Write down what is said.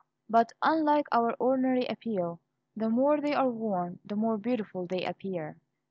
But, unlike our ordinary apparel, the more they are worn, the more beautiful they appear.